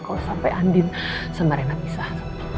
kalau sampai andi sama reina pisah